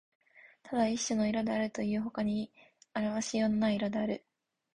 ただ一種の色であるというよりほかに評し方のない色である